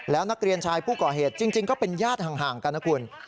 แล้วนักเรียนชายผู้ก่อเหตุจริงก็เป็นญาติห่างกันนะคุณ